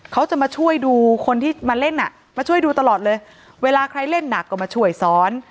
เขาจะมาช่วยดูคนที่มาเล่นอ่ะมาช่วยดูตลอดเลยเวลาใครเล่นหนักก็มาช่วยสอน